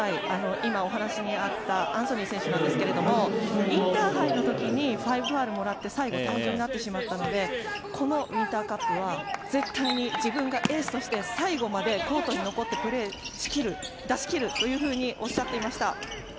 今、お話にあったアンソニー選手なんですがインターハイの時に５ファウルをもらって最後、退場になってしまったのでこのウインターカップは絶対に自分がエースとして最後までコートに残ってプレーし切る出し切るというふうにおっしゃっていました。